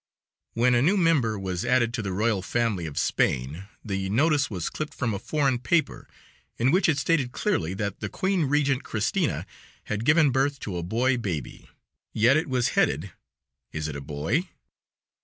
When a new member was added to the royal family of Spain the notice was clipped from a foreign paper, in which it stated clearly that the Queen Regent Christina had given birth to a boy baby. Yet it was headed: "Is it a Boy?"